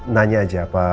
nanya aja pak